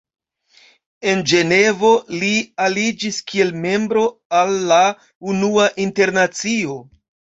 En Ĝenevo, li aliĝis kiel membro al la Unua Internacio.